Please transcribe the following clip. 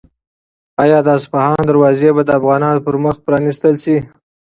آیا د اصفهان دروازې به د افغانانو پر مخ پرانیستل شي؟